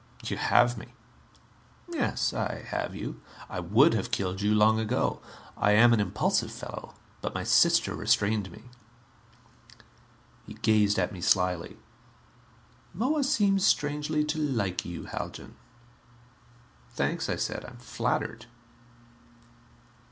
"You have me." "Yes. I have you. I would have killed you long ago I am an impulsive fellow but my sister restrained me." He gazed at me slyly. "Moa seems strangely to like you, Haljan." "Thanks," I said. "I'm flattered."